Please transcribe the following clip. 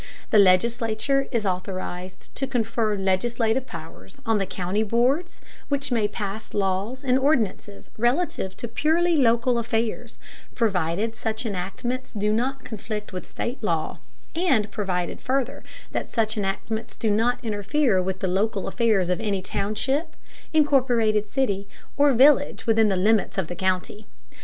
The legislature is authorized to confer legislative powers on the county boards, which may pass laws and ordinances relative to purely local affairs, provided such enactments do not conflict with state law, and provided, further, that such enactments do not interfere with the local affairs of any township, incorporated city, or village within the limits of the county.